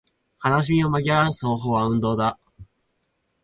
悲しみを紛らわす方法は運動だ